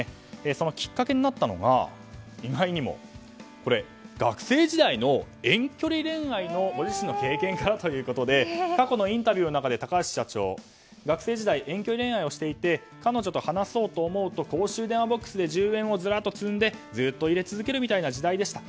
そのきっかけになったのが意外にも学生時代の遠距離恋愛のご自身の経験からということで過去のインタビューの中で高橋社長学生時代、遠距離恋愛をしていて彼女と話そうと思うと公衆電話ボックスで１０円をずらっと積んでずっと入れ続けるみたいな時代でした。